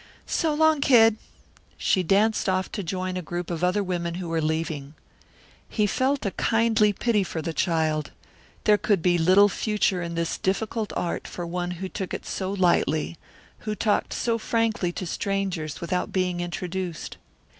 So long, Kid!" She danced off to join a group of other women who were leaving. He felt a kindly pity for the child. There could be little future in this difficult art for one who took it so lightly; who talked so frankly to strangers without being introduced.